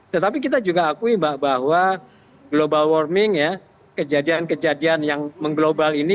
tetapi kita juga akui mbak bahwa global warming ya kejadian kejadian yang mengglobal ini